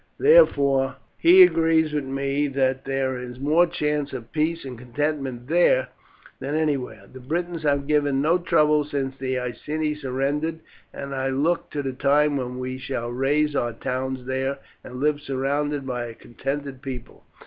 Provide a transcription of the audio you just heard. Therefore he agrees with me that there is more chance of peace and contentment there than anywhere. The Britons have given no trouble since the Iceni surrendered, and I look to the time when we shall raise our towns there and live surrounded by a contented people.